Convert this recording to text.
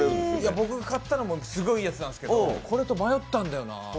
僕買ったのはすごくいいやつなんですけどこれと迷ったんだよな。